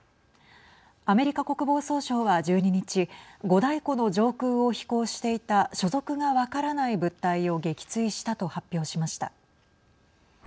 アメリカ国防総省は１２日五大湖の上空を飛行していた所属が分からない物体を撃墜したと発表しました。